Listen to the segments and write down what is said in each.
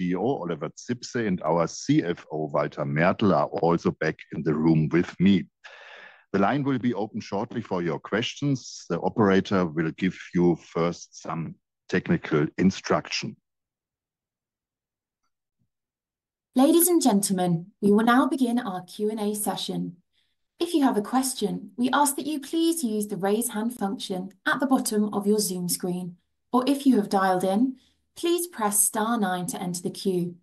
CEO Oliver Zipse and our CFO Walter Mertl are also back in the room with me. The line will be open shortly for your questions. The operator will give you first some technical instruction. Ladies and gentlemen, we will now begin our Q&A session. If you have a question, we ask that you please use the raise hand function at the bottom of your Zoom screen, or if you have dialed in, please press star nine to enter the queue.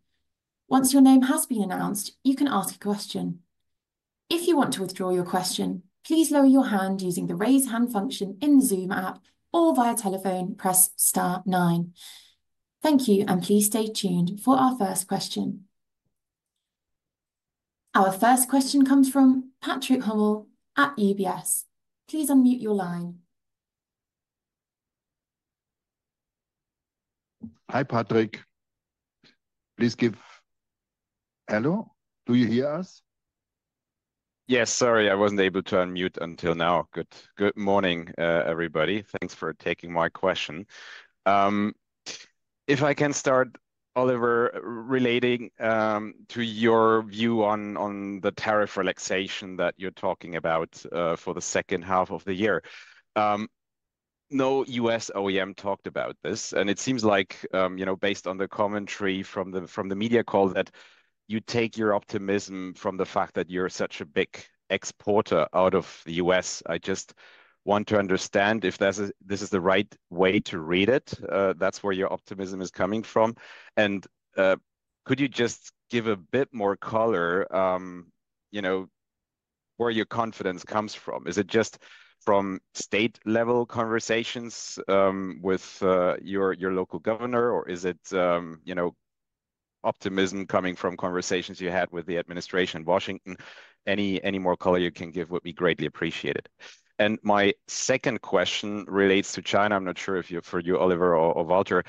Once your name has been announced, you can ask a question. If you want to withdraw your question, please lower your hand using the raise hand function in the Zoom app, or via telephone, press star nine. Thank you, and please stay tuned for our first question. Our first question comes from Patrick Hummel at UBS. Please unmute your line. Hi Patrick, please give hello, do you hear us? Yes, sorry, I wasn't able to unmute until now. Good morning, everybody. Thanks for taking my question. If I can start, Oliver, relating to your view on the tariff relaxation that you're talking about for the second half of the year. No U.S. OEM talked about this, and it seems like, you know, based on the commentary from the media call, that you take your optimism from the fact that you're such a big exporter out of the U.S. I just want to understand if this is the right way to read it, that's where your optimism is coming from. And could you just give a bit more color, you know, where your confidence comes from? Is it just from state-level conversations with your local governor, or is it, you know, optimism coming from conversations you had with the administration in Washington? Any more color you can give would be greatly appreciated. My second question relates to China. I'm not sure if it's for you, Oliver, or Walter.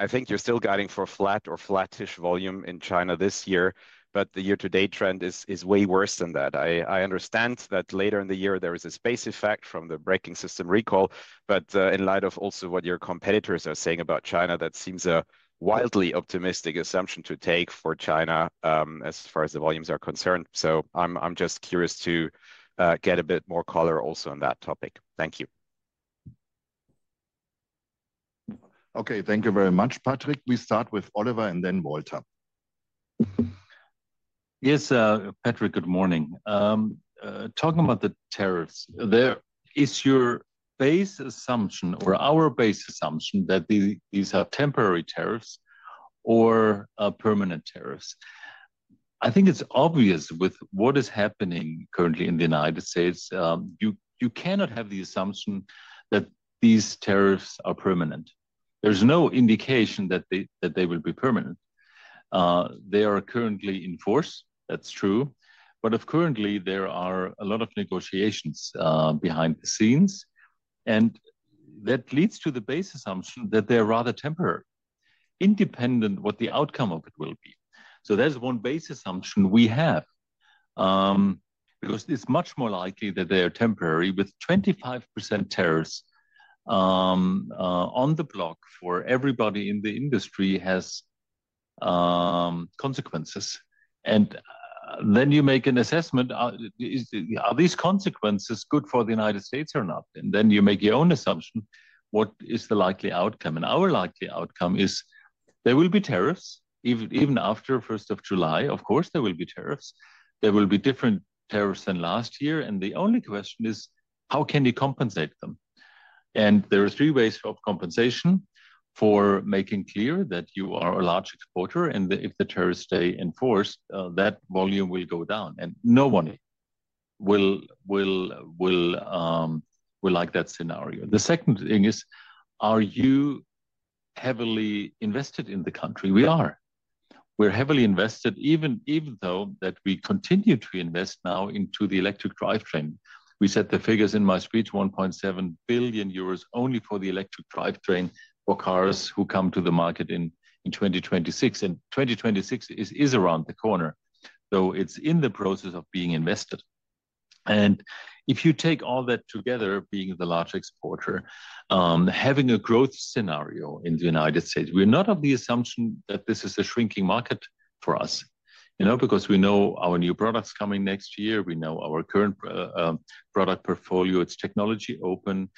I think you're still guiding for flat or flattish volume in China this year, but the year-to-date trend is way worse than that. I understand that later in the year there is a space effect from the braking system recall, but in light of also what your competitors are saying about China, that seems a wildly optimistic assumption to take for China as far as the volumes are concerned. I'm just curious to get a bit more color also on that topic. Thank you. Okay, thank you very much, Patrick. We start with Oliver and then Walter. Yes, Patrick, good morning. Talking about the tariffs, is your base assumption or our base assumption that these are temporary tariffs or permanent tariffs? I think it's obvious with what is happening currently in the United States, you cannot have the assumption that these tariffs are permanent. There's no indication that they will be permanent. They are currently in force, that's true, but currently there are a lot of negotiations behind the scenes, and that leads to the base assumption that they're rather temporary, independent of what the outcome of it will be. That is one base assumption we have, because it's much more likely that they're temporary with 25% tariffs on the block for everybody in the industry has consequences. You make an assessment, are these consequences good for the United States or not? You make your own assumption, what is the likely outcome? Our likely outcome is there will be tariffs even after 1st of July. Of course, there will be tariffs. There will be different tariffs than last year, and the only question is how can you compensate them? There are three ways of compensation for making clear that you are a large exporter, and if the tariffs stay in force, that volume will go down, and no one will like that scenario. The second thing is, are you heavily invested in the country? We are. We're heavily invested, even though we continue to invest now into the electric drivetrain. We said the figures in my speech, 1.7 billion euros only for the electric drivetrain for cars who come to the market in 2026, and 2026 is around the corner, though it's in the process of being invested. If you take all that together, being the large exporter, having a growth scenario in the United States, we're not of the assumption that this is a shrinking market for us, you know, because we know our new products coming next year. We know our current product portfolio, it's technology open.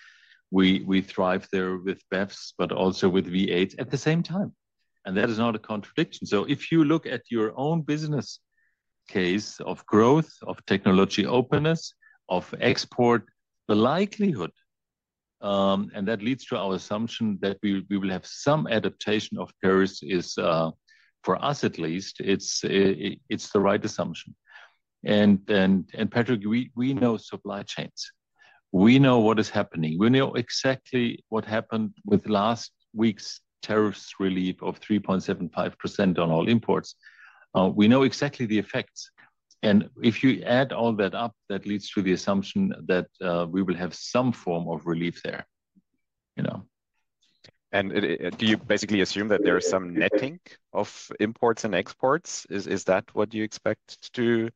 We thrive there with BEVs, but also with V8s at the same time, and that is not a contradiction. If you look at your own business case of growth, of technology openness, of export, the likelihood, and that leads to our assumption that we will have some adaptation of tariffs is, for us at least, it's the right assumption. Patrick, we know supply chains. We know what is happening. We know exactly what happened with last week's tariffs relief of 3.75% on all imports. We know exactly the effects, and if you add all that up, that leads to the assumption that we will have some form of relief there, you know. Do you basically assume that there is some netting of imports and exports? Is that what you expect to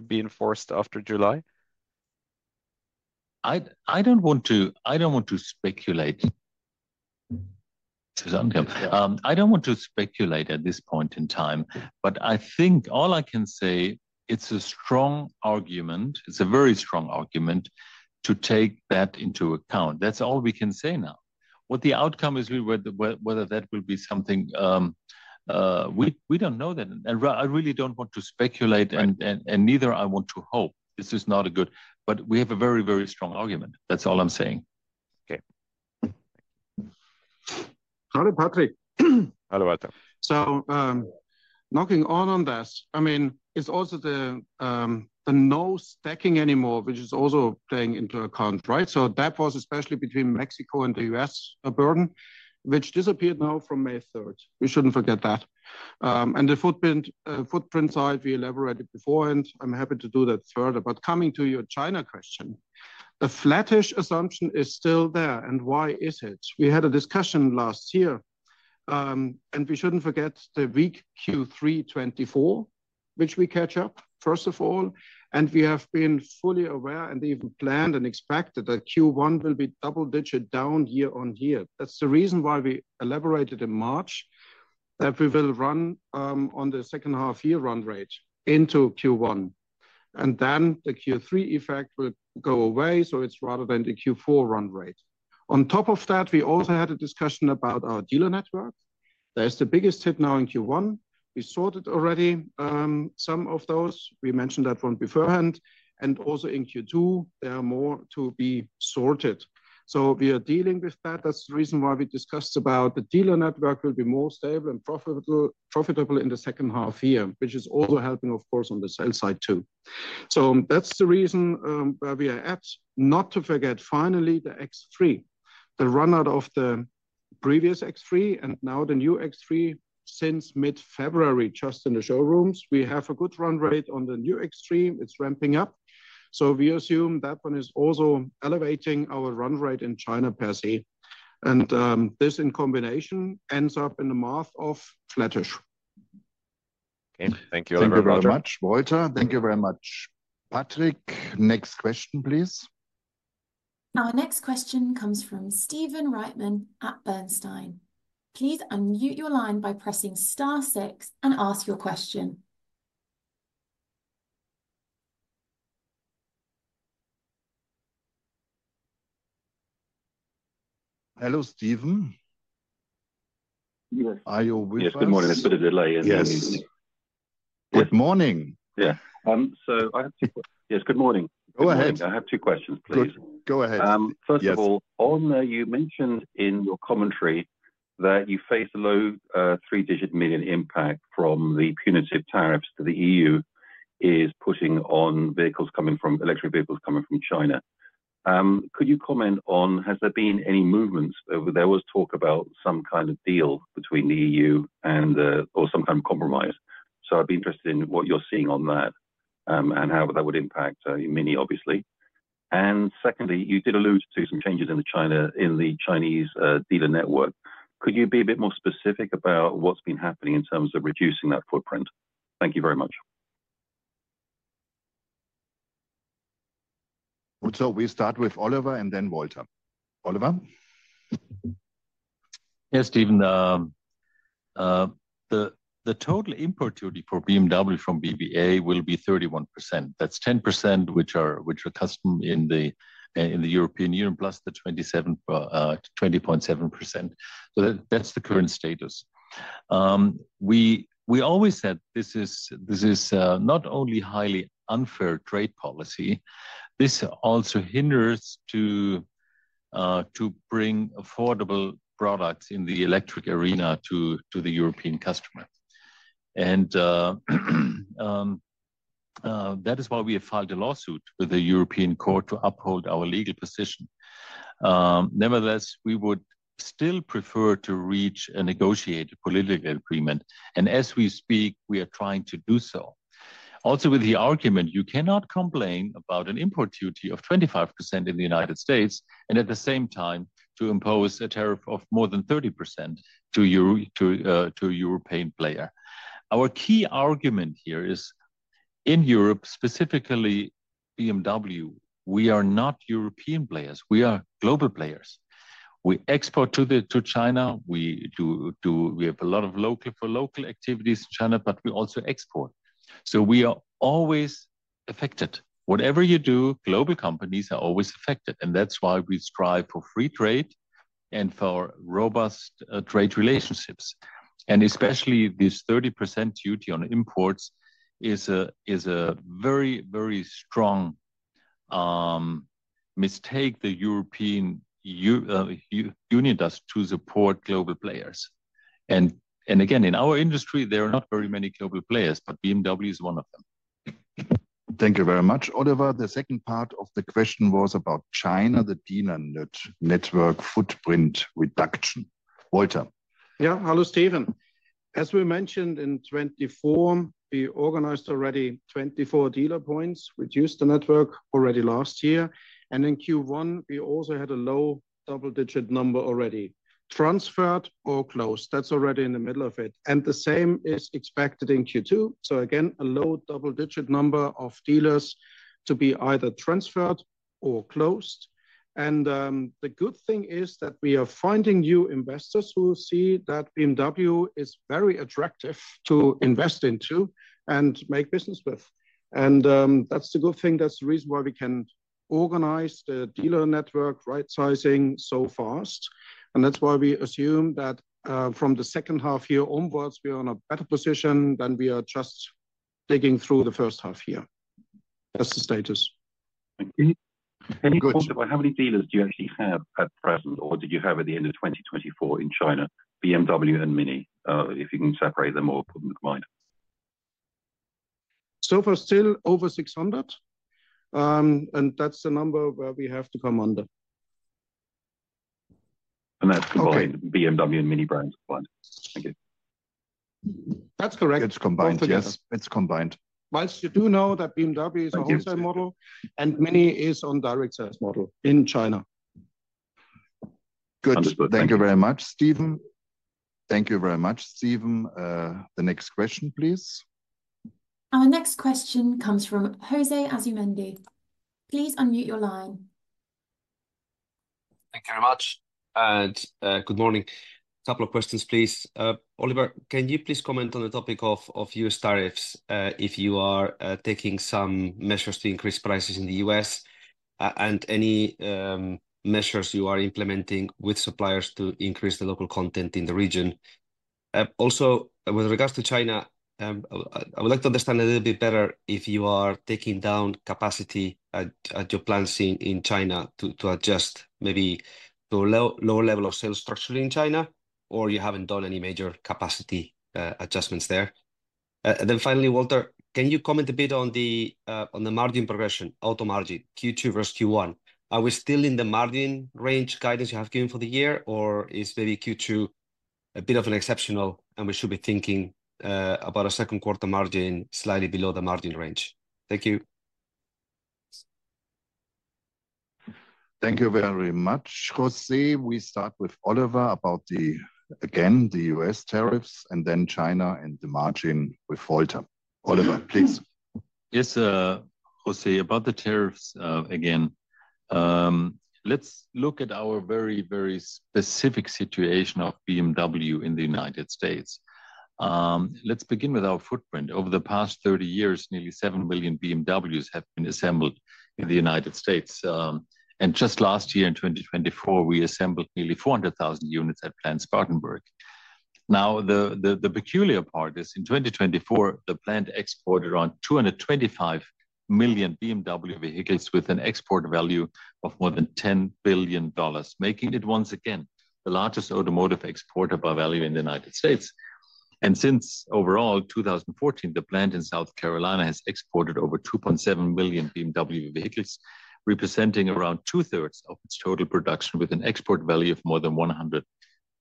be enforced after July? I don't want to speculate. I don't want to speculate at this point in time, but I think all I can say, it's a strong argument, it's a very strong argument to take that into account. That's all we can say now. What the outcome is, whether that will be something, we don't know that, and I really don't want to speculate, and neither I want to hope this is not a good, but we have a very, very strong argument. That's all I'm saying. Okay. Hi, Patrick. Hello, Walter. Knocking all on this, I mean, it's also the no stacking anymore, which is also playing into account, right? That was especially between Mexico and the U.S. a burden, which disappeared now from May 3rd. We shouldn't forget that. The footprint side, we elaborated before, and I'm happy to do that further. Coming to your China question, the flattish assumption is still there, and why is it? We had a discussion last year, and we shouldn't forget the weak Q3 2024, which we catch up, first of all, and we have been fully aware and even planned and expected that Q1 will be double-digit down year on year. That's the reason why we elaborated in March that we will run on the second half year run rate into Q1, and then the Q3 effect will go away, so it's rather than the Q4 run rate. On top of that, we also had a discussion about our dealer network. That is the biggest hit now in Q1. We sorted already some of those. We mentioned that one beforehand, and also in Q2, there are more to be sorted. We are dealing with that. That is the reason why we discussed about the dealer network will be more stable and profitable in the second half year, which is also helping, of course, on the sales side too. That is the reason where we are at. Not to forget, finally, the X3, the runout of the previous X3, and now the new X3 since mid-February, just in the showrooms. We have a good run rate on the new X3. It is ramping up. We assume that one is also elevating our run rate in China per see, and this in combination ends up in the math of flattish. Okay, thank you very much, Walter. Thank you very much, Patrick. Next question, please. Our next question comes from Stephen Reitman at Bernstein. Please unmute your line by pressing star six and ask your question. Hello, Stephen. Are you with us? Yes, good morning. Good morning. Yeah. I have two. Yes, good morning. Go ahead. I have two questions, please. Good. Go ahead. First of all, you mentioned in your commentary that you face a low three-digit million impact from the punitive tariffs the EU is putting on electric vehicles coming from China. Could you comment on, has there been any movements? There was talk about some kind of deal between the EU and, or some kind of compromise. I would be interested in what you're seeing on that and how that would impact MINI, obviously. Secondly, you did allude to some changes in the Chinese dealer network. Could you be a bit more specific about what's been happening in terms of reducing that footprint? Thank you very much. We start with Oliver and then Walter. Oliver. Yes, Stephen. The total import duty for BMW from BBA will be 31%. That's 10%, which are custom in the European Union, plus the 20.7%. That's the current status. We always said this is not only highly unfair trade policy, this also hinders to bring affordable products in the electric arena to the European customer. That is why we have filed a lawsuit with the European Court to uphold our legal position. Nevertheless, we would still prefer to reach a negotiated political agreement, and as we speak, we are trying to do so. Also with the argument, you cannot complain about an import duty of 25% in the United States, and at the same time, to impose a tariff of more than 30% to a European player. Our key argument here is, in Europe, specifically BMW, we are not European players. We are global players. We export to China. We have a lot of local activities in China, but we also export. We are always affected. Whatever you do, global companies are always affected, and that is why we strive for free trade and for robust trade relationships. Especially this 30% duty on imports is a very, very strong mistake the European Union does to support global players. In our industry, there are not very many global players, but BMW is one of them. Thank you very much. Oliver, the second part of the question was about China, the dealer network footprint reduction. Walter. Yeah, hello, Stephen. As we mentioned in 2024, we organized already 24 dealer points, reduced the network already last year, and in Q1, we also had a low double-digit number already transferred or closed. That is already in the middle of it, and the same is expected in Q2. A low double-digit number of dealers to be either transferred or closed is expected. The good thing is that we are finding new investors who see that BMW is very attractive to invest into and make business with. That is the good thing. That is the reason why we can organize the dealer network right-sizing so fast, and that is why we assume that from the second half year onwards, we are in a better position than we are just digging through the first half-year. That is the status. Thank you. How many dealers do you actually have at present, or did you have at the end of 2024 in China, BMW and MINI, if you can separate them or put them in a combine? Still over 600, and that's the number where we have to come under. That is combined BMW and MINI brand combined. Thank you. That's correct. It's combined, yes. It's combined. Whilst you do know that BMW is a wholesale model and MINI is on direct sales model in China. Good. Thank you very much, Stephen. The next question, please. Our next question comes from José Asumendi. Please unmute your line. Thank you very much, and good morning. A couple of questions, please. Oliver, can you please comment on the topic of U.S. tariffs if you are taking some measures to increase prices in the U.S. and any measures you are implementing with suppliers to increase the local content in the region? Also, with regards to China, I would like to understand a little bit better if you are taking down capacity at your plants in China to adjust maybe to a lower level of sales structure in China, or you haven't done any major capacity adjustments there. Finally, Walter, can you comment a bit on the margin progression, Auto Margin, Q2 versus Q1? Are we still in the margin range guidance you have given for the year, or is maybe Q2 a bit of an exceptional and we should be thinking about a second quarter margin slightly below the margin range? Thank you. Thank you very much, Jose. We start with Oliver about the, again, the US tariffs and then China and the margin with Walter. Oliver, please. Yes, José, about the tariffs again. Let's look at our very, very specific situation of BMW in the United States. Let's begin with our footprint. Over the past 30 years, nearly 7 million BMWs have been assembled in the United States, and just last year in 2024, we assembled nearly 400,000 units at Plant Spartanburg. Now, the peculiar part is in 2024, the plant exported around 225 million BMW vehicles with an export value of more than $10 billion, making it once again the largest automotive exporter by value in the United States. Since 2014, the plant in South Carolina has exported over 2.7 million BMW vehicles, representing around two-thirds of its total production with an export value of more than $100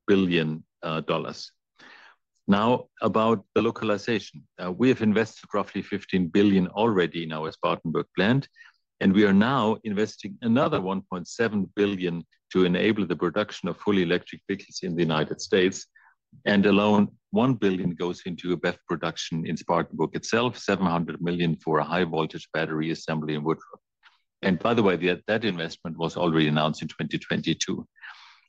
billion. Now, about the localization. We have invested roughly $15 billion already in our Spartanburg plant, and we are now investing another $1.7 billion to enable the production of fully electric vehicles in the United States. Alone $1 billion goes into BEV production in Spartanburg itself, $700 million for a high-voltage battery assembly in Woodruff. By the way, that investment was already announced in 2022.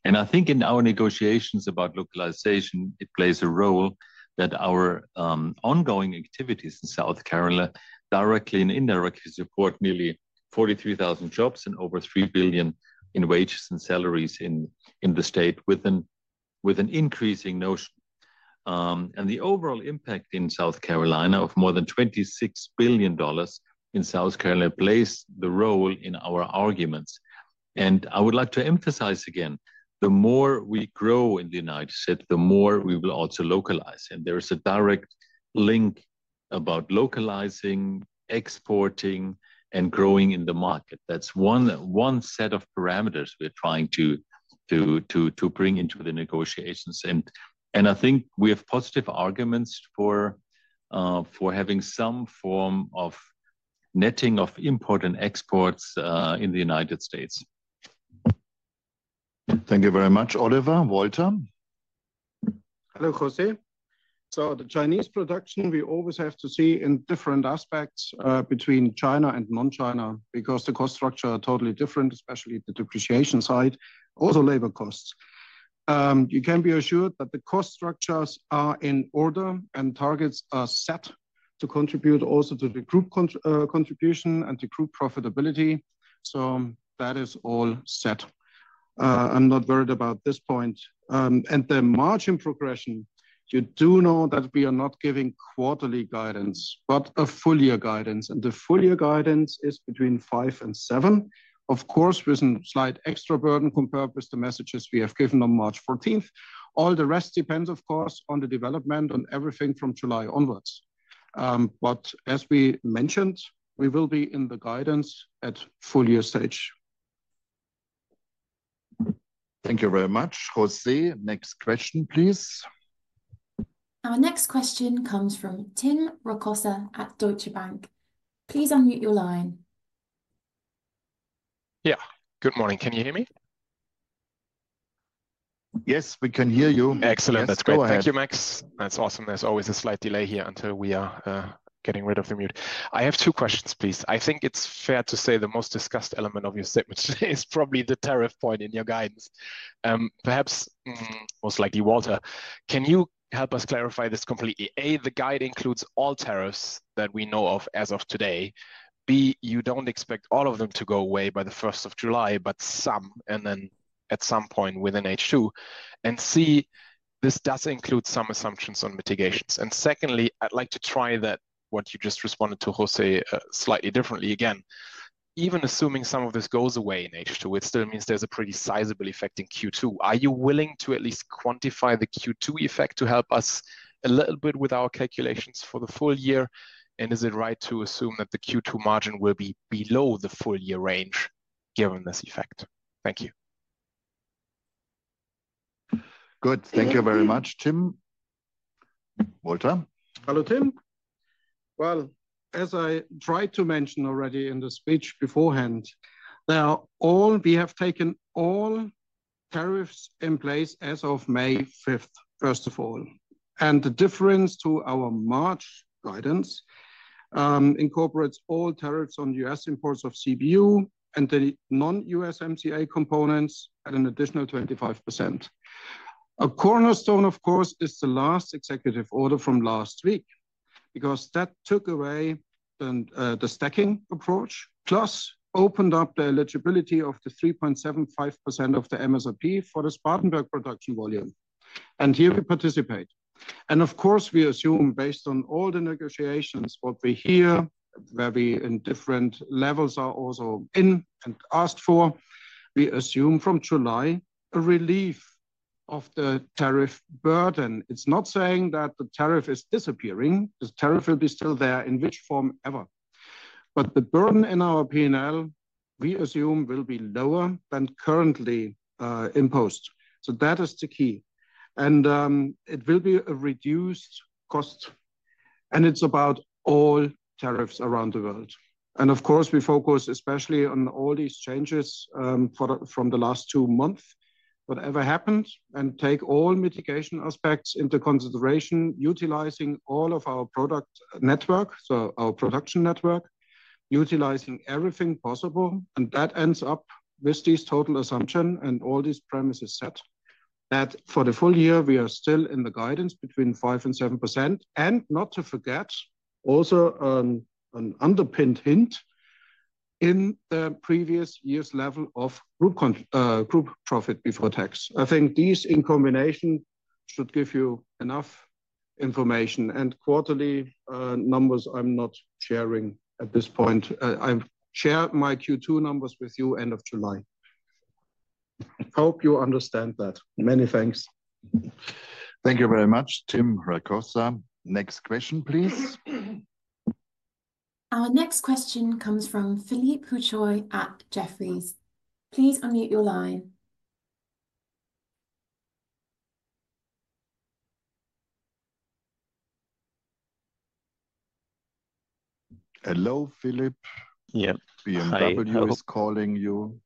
I think in our negotiations about localization, it plays a role that our ongoing activities in South Carolina directly and indirectly support nearly 43,000 jobs and over $3 billion in wages and salaries in the state with an increasing notion. The overall impact in South Carolina of more than $26 billion in South Carolina plays the role in our arguments. I would like to emphasize again, the more we grow in the United States, the more we will also localize. There is a direct link about localizing, exporting, and growing in the Market. That is one set of parameters we are trying to bring into the negotiations. I think we have positive arguments for having some form of netting of import and exports in the United States. Thank you very much, Oliver. Walter. Hello, José. The Chinese production, we always have to see in different aspects between China and non-China because the cost structures are totally different, especially the depreciation side, also labor costs. You can be assured that the cost structures are in order and targets are set to contribute also to the group contribution and the group profitability. That is all set. I'm not worried about this point. The margin progression, you do know that we are not giving quarterly guidance, but a full year guidance, and the full year guidance is between 5%-7%, of course, with a slight extra burden compared with the messages we have given on March 14th. All the rest depends, of course, on the development, on everything from July onwards. As we mentioned, we will be in the guidance at full year stage. Thank you very much, José. Next question, please. Our next question comes from Tim Rokossa at Deutsche Bank. Please unmute your line. Yeah, good morning. Can you hear me? Yes, we can hear you. Excellent. That's great. Thank you, Max. That's awesome. There's always a slight delay here until we are getting rid of the mute. I have two questions, please. I think it's fair to say the most discussed element of your segment today is probably the tariff point in your guidance. Perhaps most likely Walter. Can you help us clarify this completely? A, the guide includes all tariffs that we know of as of today. B, you don't expect all of them to go away by the 1st of July, but some, and then at some point within H2. C, this does include some assumptions on mitigations. Secondly, I'd like to try that what you just responded to, Jose, slightly differently again. Even assuming some of this goes away in H2, it still means there's a pretty sizable effect in Q2. Are you willing to at least quantify the Q2 effect to help us a little bit with our calculations for the full year? Is it right to assume that the Q2 margin will be below the full year range given this effect? Thank you. Good. Thank you very much, Tim. Walter. Hello, Tim. As I tried to mention already in the speech beforehand, now we have taken all tariffs in place as of May 5th, first of all. The difference to our March guidance incorporates all tariffs on U.S. imports of CPU and the non-USMCA components at an additional 25%. A cornerstone, of course, is the last executive order from last week because that took away the stacking approach, plus opened up the eligibility of the 3.75% of the MSRP for the Spartanburg production volume. Here we participate. We assume based on all the negotiations, what we hear, where we in different levels are also in and asked for, we assume from July a relief of the tariff burden. It is not saying that the tariff is disappearing. The tariff will be still there in which form ever. The burden in our P&L, we assume will be lower than currently imposed. That is the key. It will be a reduced cost. It is about all tariffs around the world. Of course, we focus especially on all these changes from the last two months, whatever happened, and take all mitigation aspects into consideration, utilizing all of our production network, utilizing everything possible. That ends up with these total assumptions and all these premises set that for the full year, we are still in the guidance between 5% and 7%. Not to forget, also an underpinned hint in the previous year's level of group profit before tax. I think these in combination should give you enough information. Quarterly numbers, I'm not sharing at this point. I share my Q2 numbers with you end of July. Hope you understand that. Many thanks. Thank you very much, Tim Rokossa. Next question, please. Our next question comes from Philippe Houchois at Jefferies. Please unmute your line. Hello, Philippe. Yeah. BMW is calling you.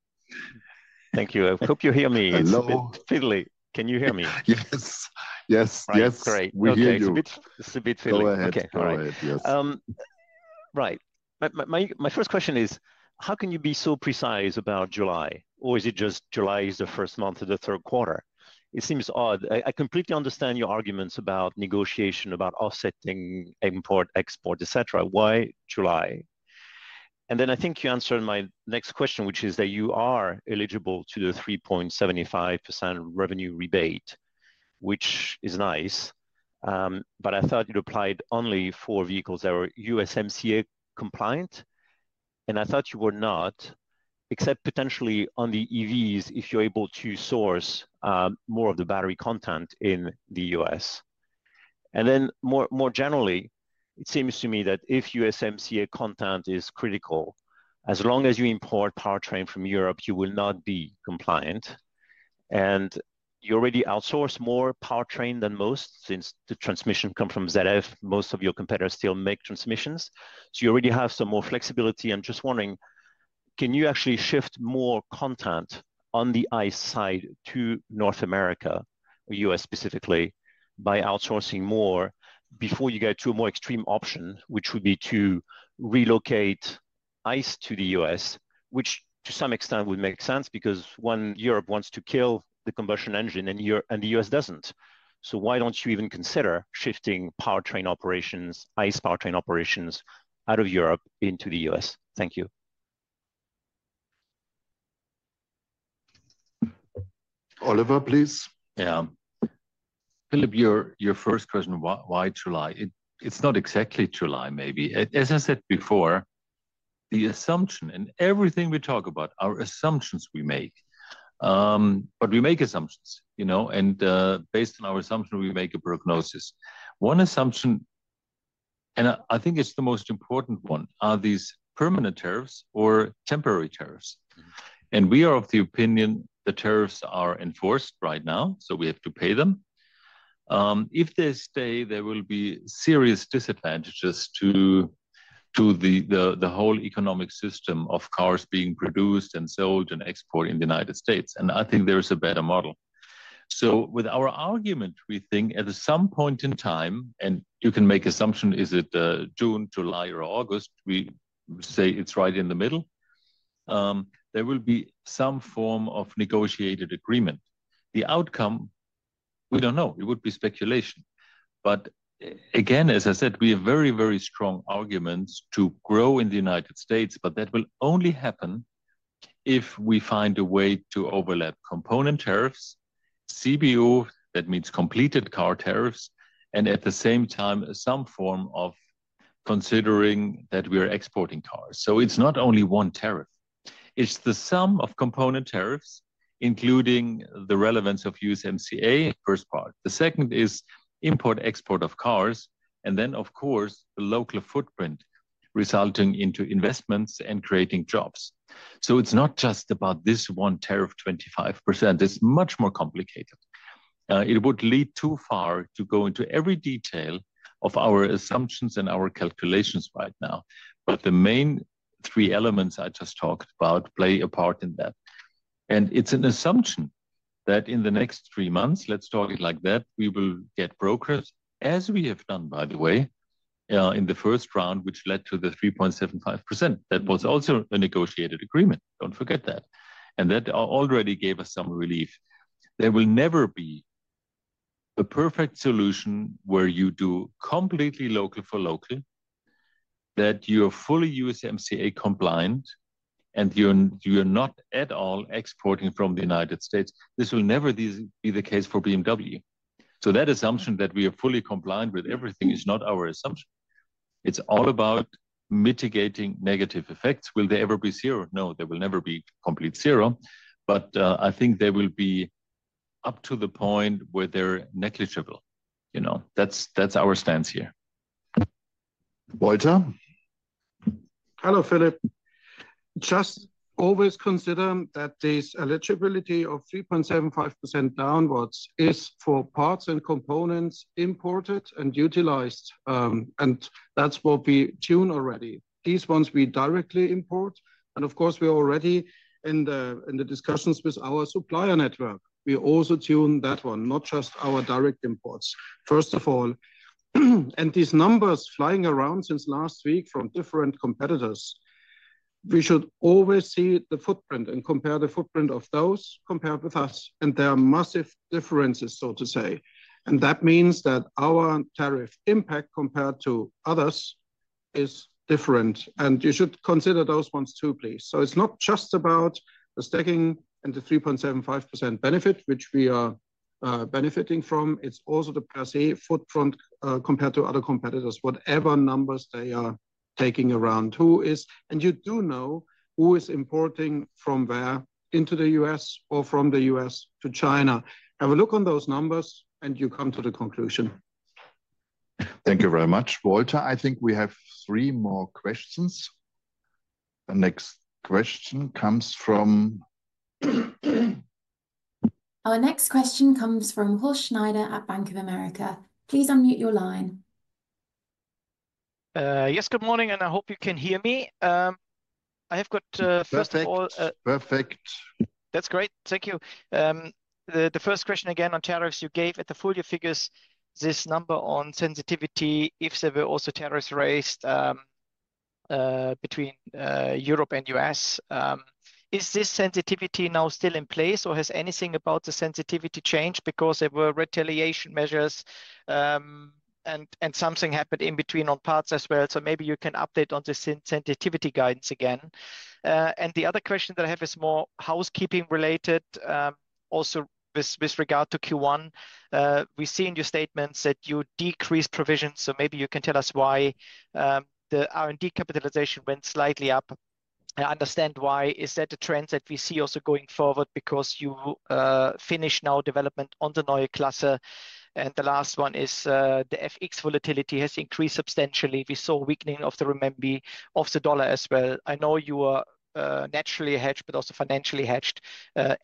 Thank you. I hope you hear me. Hello. Philip, can you hear me? Yes. Yes. Yes. That's great. We hear you. It's a bit, Philippe, go ahead. Go ahead. Right. My first question is, how can you be so precise about July? Or is it just July is the first month of the third quarter? It seems odd. I completely understand your arguments about negotiation, about offsetting import, export, etc. Why July? I think you answered my next question, which is that you are eligible to the 3.75% revenue rebate, which is nice. I thought you'd applied only for vehicles that are USMCA compliant. I thought you were not, except potentially on the EVs if you're able to source more of the battery content in the U.S. More generally, it seems to me that if USMCA content is critical, as long as you import powertrain from Europe, you will not be compliant. You already outsource more powertrain than most since the transmission comes from ZF. Most of your competitors still make transmissions. You already have some more flexibility. I'm just wondering, can you actually shift more content on the ICE side to North America or U.S. specifically by outsourcing more before you get to a more extreme option, which would be to relocate ICE to the U.S., which to some extent would make sense because, one, Europe wants to kill the combustion engine and the U.S. doesn't. Why don't you even consider shifting powertrain operations, ICE powertrain operations, out of Europe into the U.S.? Thank you. Oliver, please. Yeah. Philippe, your first question, why July? It's not exactly July maybe. As I said before, the assumption and everything we talk about, our assumptions we make. But we make assumptions. And based on our assumption, we make a prognosis. One assumption, and I think it's the most important one, are these permanent tariffs or temporary tariffs? We are of the opinion the tariffs are enforced right now, so we have to pay them. If they stay, there will be serious disadvantages to the whole economic system of cars being produced and sold and exported in the United States. I think there is a better model. With our argument, we think at some point in time, and you can make assumption, is it June, July, or August? We say it's right in the middle. There will be some form of negotiated agreement. The outcome, we don't know. It would be speculation. Again, as I said, we have very, very strong arguments to grow in the United States, but that will only happen if we find a way to overlap component tariffs, CBU, that means completed car tariffs, and at the same time, some form of considering that we are exporting cars. It is not only one tariff. It is the sum of component tariffs, including the relevance of USMCA. First part. The second is import-export of cars, and then, of course, the local footprint resulting into investments and creating jobs. It is not just about this one tariff, 25%. It is much more complicated. It would lead too far to go into every detail of our assumptions and our calculations right now. The main three elements I just talked about play a part in that. It is an assumption that in the next three months, let's talk it like that, we will get brokers, as we have done, by the way, in the first round, which led to the 3.75%. That was also a negotiated agreement. Do not forget that. That already gave us some relief. There will never be a perfect solution where you do completely local for local, that you are fully USMCA compliant, and you are not at all exporting from the United States. This will never be the case for BMW. That assumption that we are fully compliant with everything is not our assumption. It is all about mitigating negative effects. Will there ever be zero? No, there will never be complete zero. I think there will be up to the point where they are negligible. That is our stance here. Walter. Hello, Philip. Just always consider that this eligibility of 3.75% downwards is for parts and components imported and utilized. That's what we tune already. These ones we directly import. Of course, we're already in the discussions with our supplier network. We also tune that one, not just our direct imports, first of all. These numbers flying around since last week from different competitors, we should always see the footprint and compare the footprint of those compared with us. There are massive differences, so to say. That means that our tariff impact compared to others is different. You should consider those ones too, please. It's not just about the stacking and the 3.75% benefit, which we are benefiting from. It's also the per se footprint compared to other competitors, whatever numbers they are taking around who is. You do know who is importing from where into the U.S. or from the U.S. to China. Have a look on those numbers and you come to the conclusion. Thank you very much, Walter. I think we have three more questions. The next question comes from. Our next question comes from Horst Schneider at Bank of America. Please unmute your line. Yes, good morning, and I hope you can hear me. I have got first of all. Perfect. That's great. Thank you. The first question again on tariffs, you gave at the full year figures, this number on sensitivity if there were also tariffs raised between Europe and U.S. Is this sensitivity now still in place or has anything about the sensitivity changed because there were retaliation measures and something happened in between on parts as well? Maybe you can update on the sensitivity guidance again. The other question that I have is more housekeeping related, also with regard to Q1. We see in your statements that you decreased provisions. Maybe you can tell us why the R&D capitalization went slightly up. I understand why. Is that the trend that we see also going forward because you finished now development on the Neue Klasse. The last one is the FX volatility has increased substantially. We saw weakening of the renminbi and the dollar as well. I know you are naturally hedged, but also financially hedged.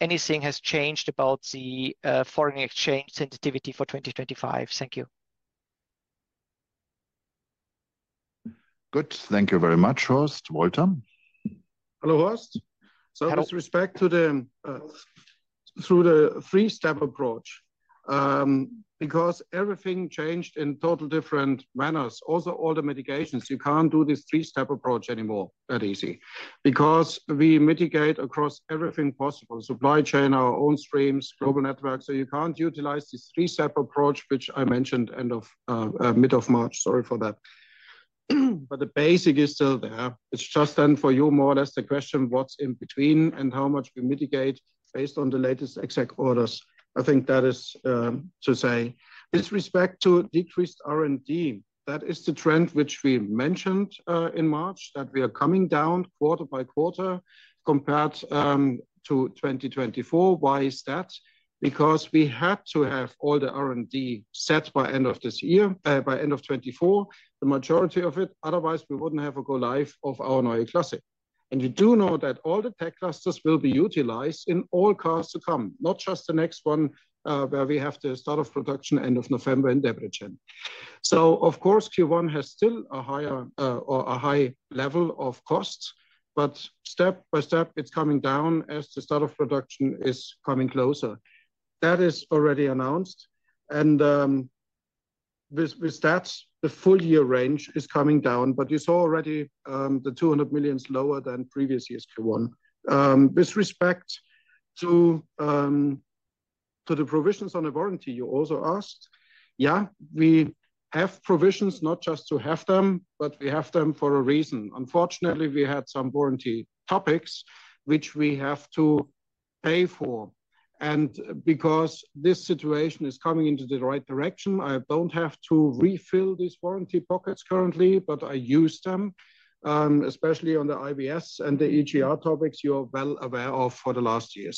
Anything has changed about the foreign exchange sensitivity for 2025? Thank you. Good. Thank you very much, Horst. Walter. Hello, Horst. With respect to the three-step approach, because everything changed in total different manners, also all the mitigations, you cannot do this three-step approach anymore that easy because we mitigate across everything possible, supply chain, our own streams, global networks. You cannot utilize this three-step approach, which I mentioned mid of March. Sorry for that. The basic is still there. It is just then for you more or less the question what is in between and how much we mitigate based on the latest exec orders. I think that is to say with respect to decreased R&D, that is the trend which we mentioned in March that we are coming down quarter by quarter compared to 2024. Why is that? Because we had to have all the R&D set by end of this year, by end of 2024, the majority of it. Otherwise, we would not have a go live of our Neue Klasse. You do know that all the tech clusters will be utilized in all cars to come, not just the next one where we have to start off production end of November in Debrecen. Of course, Q1 has still a higher or a high level of costs, but step by step, it is coming down as the start of production is coming closer. That is already announced. With that, the full year range is coming down. You saw already the 200 million is lower than previous year's Q1. With respect to the provisions on the warranty, you also asked, yeah, we have provisions not just to have them, but we have them for a reason. Unfortunately, we had some warranty topics, which we have to pay for. Because this situation is coming into the right direction, I don't have to refill these warranty pockets currently, but I use them, especially on the IVS and the EGR topics you are well aware of for the last year.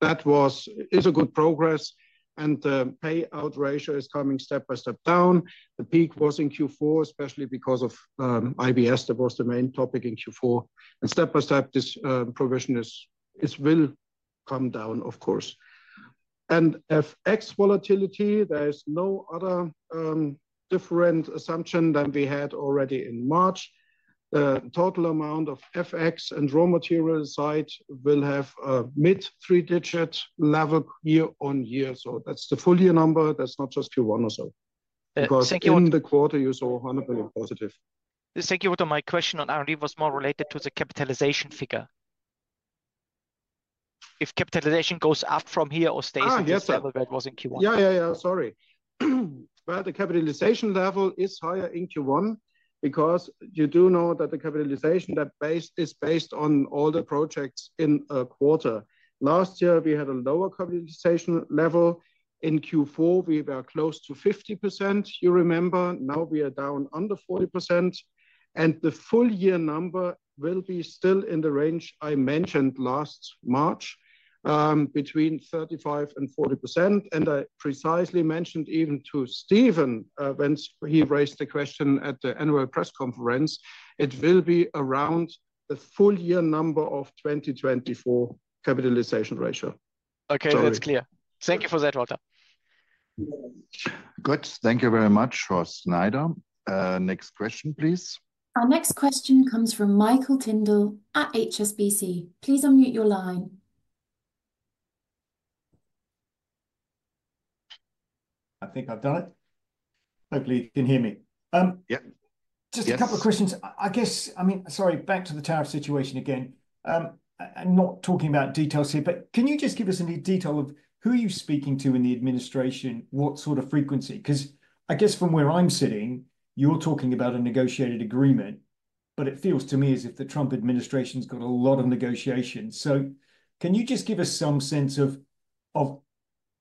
That was a good progress. The payout ratio is coming step by step down. The peak was in Q4, especially because of IVS. That was the main topic in Q4. Step by step, this provision will come down, of course. FX volatility, there is no other different assumption than we had already in March. The total amount of FX and raw material side will have a mid three-digit level year-on-year. That's the full year number. That's not just Q1 or so. In the quarter, you saw $100 million positive. Thank you. My question on R&D was more related to the capitalization figure. If capitalization goes up from here or stays at the level that was in Q1. Yeah, yeah, yeah. Sorry. The capitalization level is higher in Q1 because you do know that the capitalization that is based on all the projects in a quarter. Last year, we had a lower capitalization level. In Q4, we were close to 50%, you remember. Now we are down under 40%. The full year number will be still in the range I mentioned last March between 35% and 40%. I precisely mentioned even to Stephen when he raised the question at the annual press conference, it will be around the full year number of 2024 capitalization ratio. Okay, that's clear. Thank you for that, Walter. Good. Thank you very much, Horst Schneider. Next question, please. Our next question comes from Michael Tyndall at HSBC. Please unmute your line. I think I've done it. Hopefully, you can hear me. Yeah. Just a couple of questions. I guess, I mean, sorry, back to the tariff situation again. I'm not talking about details here, but can you just give us any detail of who you're speaking to in the administration, what sort of frequency? Because I guess from where I'm sitting, you're talking about a negotiated agreement, but it feels to me as if the Trump administration's got a lot of negotiations. Can you just give us some sense of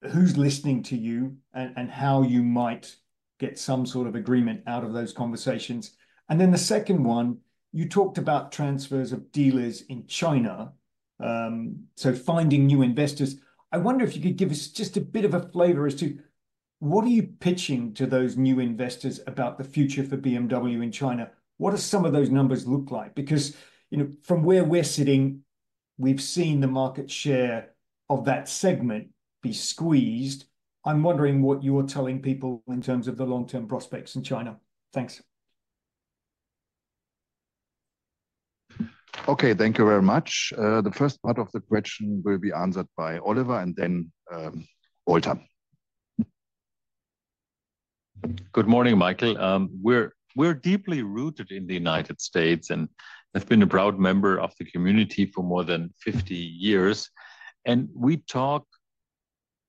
who's listening to you and how you might get some sort of agreement out of those conversations? The second one, you talked about transfers of dealers in China. Finding new investors. I wonder if you could give us just a bit of a flavor as to what are you pitching to those new investors about the future for BMW in China? What do some of those numbers look like? Because from where we're sitting, we've seen the market share of that segment be squeezed. I'm wondering what you're telling people in terms of the long-term prospects in China. Thanks. Okay, thank you very much. The first part of the question will be answered by Oliver and then Walter. Good morning, Michael. We're deeply rooted in the United States and have been a proud member of the community for more than 50 years. We talk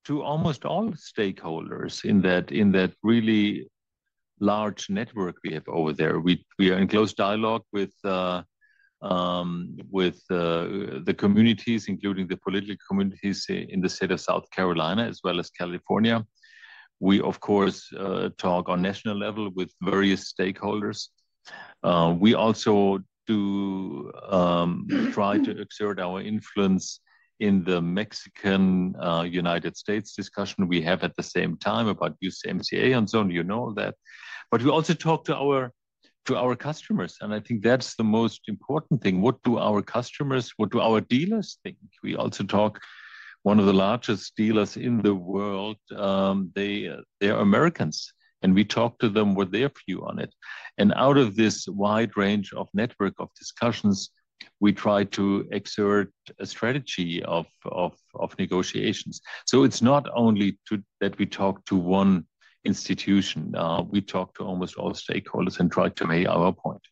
to almost all stakeholders in that really large network we have over there. We are in close dialogue with the communities, including the political communities in the state of South Carolina, as well as California. We, of course, talk on national level with various stakeholders. We also do try to exert our influence in the Mexican United States discussion we have at the same time about USMCA and so on. You know that. We also talk to our customers. I think that's the most important thing. What do our customers, what do our dealers think? We also talk to one of the largest dealers in the world. They are Americans. We talk to them with their view on it. Out of this wide range of network of discussions, we try to exert a strategy of negotiations. It is not only that we talk to one institution. We talk to almost all stakeholders and try to make our point.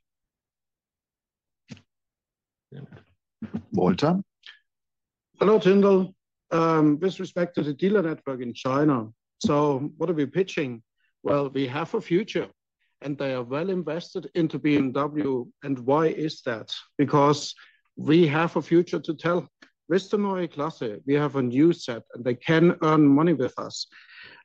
Walter. Hello, Tyndall. With respect to the dealer network in China, what are we pitching? We have a future and they are well invested into BMW. Why is that? We have a future to tell. With the Neue Klasse, we have a new set and they can earn money with us.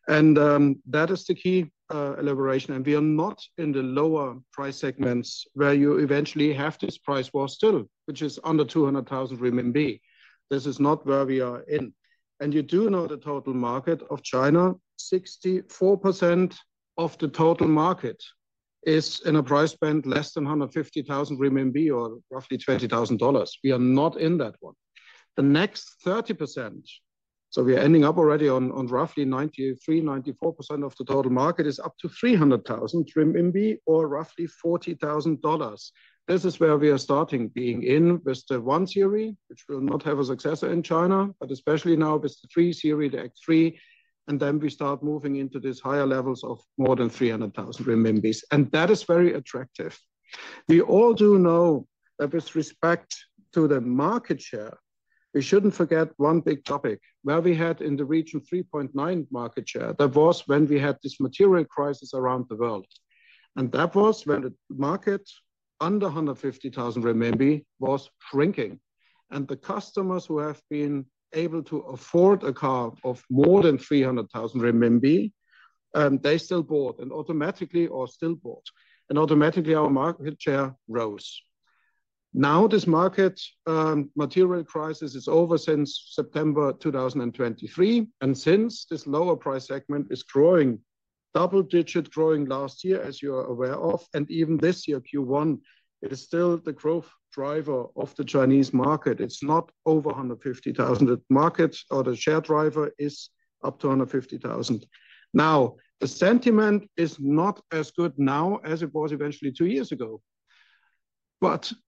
That is the key elaboration. We are not in the lower price segments where you eventually have this price war still, which is under 200,000 renminbi. This is not where we are in. You do know the total market of China, 64% of the total market is in a price band less than 150,000 RMB or roughly $20,000. We are not in that one. The next 30%, we are ending up already on roughly 93%-94% of the total market is up to 300,000 or roughly $40,000. This is where we are starting being in with the 1 Series, which will not have a successor in China, but especially now with the 3 Series, the X3, and then we start moving into these higher levels of more than 300,000. That is very attractive. We all do know that with respect to the market share, we should not forget one big topic where we had in the region 3.9% market share. That was when we had this material crisis around the world. That was when the market under 150,000 RMB was shrinking. The customers who have been able to afford a car of more than 300,000 RMB, they still bought and automatically, our market share rose. Now this market material crisis is over since September 2023. Since this lower price segment is growing, double digit growing last year, as you are aware of. Even this year, Q1 is still the growth driver of the Chinese market. It is not over 150,000 at market or the share driver is up to 150,000. The sentiment is not as good now as it was eventually two years ago.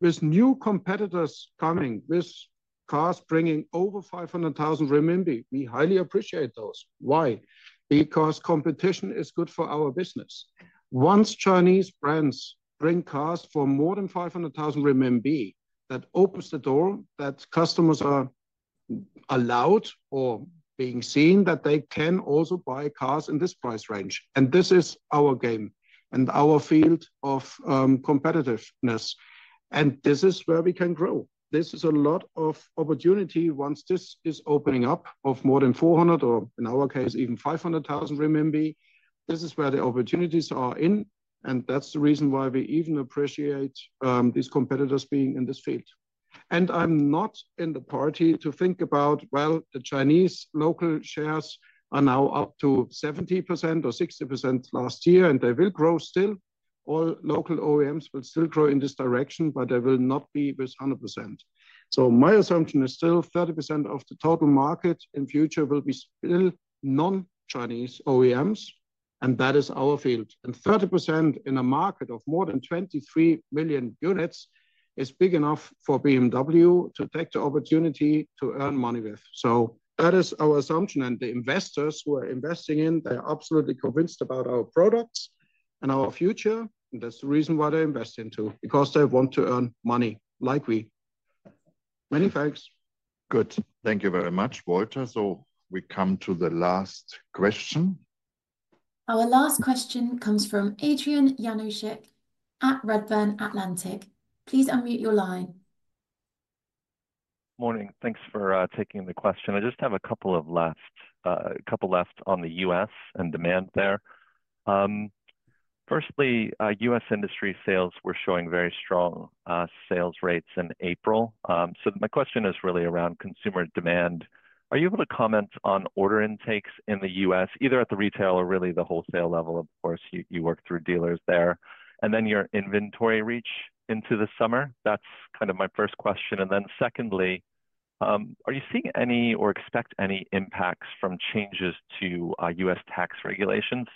With new competitors coming, with cars bringing over 500,000 renminbi, we highly appreciate those. Why? Because competition is good for our business. Once Chinese brands bring cars for more than 500,000 RMB, that opens the door that customers are allowed or being seen that they can also buy cars in this price range. This is our game and our field of competitiveness. This is where we can grow. This is a lot of opportunity once this is opening up of more than 400,000 or in our case, even 500,000 RMB. This is where the opportunities are in. That is the reason why we even appreciate these competitors being in this field. I am not in the party to think about, you know, the Chinese local shares are now up to 70% or 60% last year, and they will grow still. All local OEMs will still grow in this direction, but they will not be with 100%. My assumption is still 30% of the total market in future will be still non-Chinese OEMs. That is our field. 30% in a market of more than 23 million units is big enough for BMW to take the opportunity to earn money with. That is our assumption. The investors who are investing in, they are absolutely convinced about our products and our future. That is the reason why they invest into it, because they want to earn money like we. Many thanks. Good. Thank you very much, Walter. We come to the last question. Our last question comes from Adrian Yanoshik at Redburn Atlantic. Please unmute your line. Morning. Thanks for taking the question. I just have a couple left on the U.S. and demand there. Firstly, U.S. industry sales were showing very strong sales rates in April. My question is really around consumer demand. Are you able to comment on order intakes in the U.S., either at the retail or really the wholesale level? Of course, you work through dealers there. Your inventory reach into the summer? That is my first question. Secondly, are you seeing any or expect any impacts from changes to U.S. tax regulations?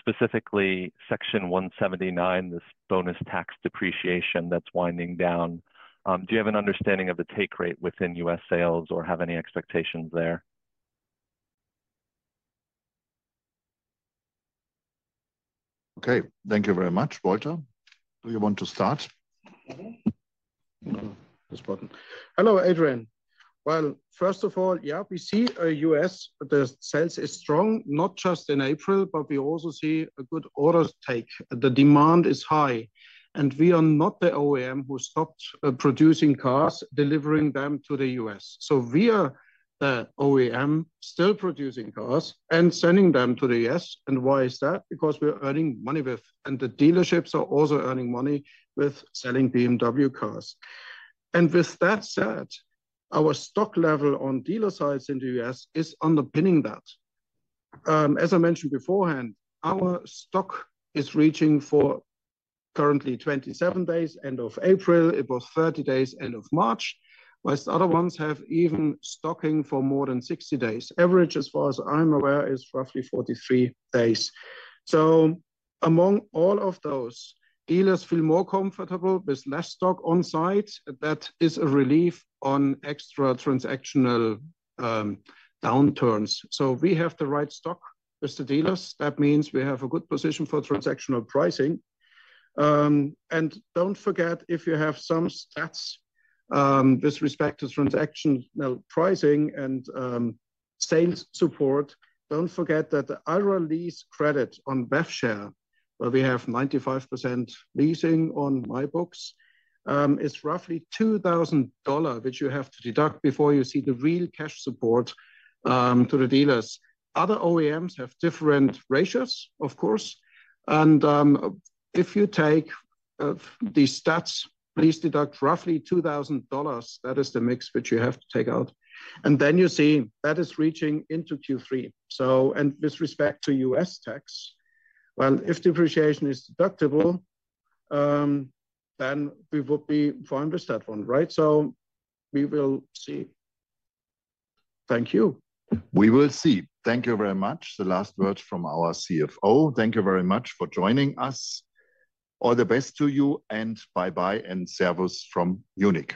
Specifically Section 179, this bonus tax depreciation that is winding down. Do you have an understanding of the take rate within U.S. sales or have any expectations there? Okay. Thank you very much, Walter. Do you want to start? Hello, Adrian. First of all, yeah, we see U.S. sales is strong, not just in April, but we also see a good order take. The demand is high. We are not the OEM who stopped producing cars, delivering them to the U.S. We are the OEM still producing cars and sending them to the U.S. Why is that? Because we're earning money with, and the dealerships are also earning money with selling BMW cars. With that said, our stock level on dealer sites in the U.S. is underpinning that. As I mentioned beforehand, our stock is reaching for currently 27 days end of April. It was 30 days end of March, whereas other ones have even stocking for more than 60 days. Average, as far as I'm aware, is roughly 43 days. Among all of those, dealers feel more comfortable with less stock on site. That is a relief on extra transactional downturns. We have the right stock with the dealers. That means we have a good position for transactional pricing. Don't forget, if you have some stats with respect to transactional pricing and sales support, do not forget that the IRA lease credit on BEV share, where we have 95% leasing on my books, is roughly $2,000, which you have to deduct before you see the real cash support to the dealers. Other OEMs have different ratios, of course. If you take these stats, please deduct roughly $2,000. That is the mix which you have to take out. Then you see that is reaching into Q3. With respect to U.S. tax, if depreciation is deductible, we would be fine with that one, right? We will see. Thank you. We will see. Thank you very much. The last words from our CFO. Thank you very much for joining us. All the best to you and bye-bye and servus from Munich.